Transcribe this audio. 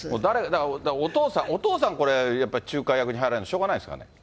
だからお父さん、これ、やっぱり仲介役に入らないとしょうがないですね。